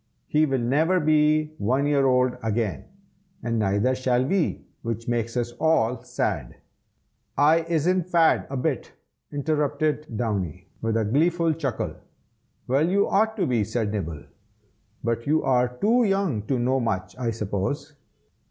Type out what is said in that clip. He will never be one year old again, and neither shall we, which makes us all sad." "I isn't fad a bit!" interrupted Downy, with a gleeful chuckle. "Well, you ought to be!" said Nibble, "but you are too young to know much, I suppose.